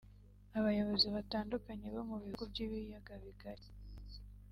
Abayobozi batandukanye bo mu bihugu by’ibiyaga bigari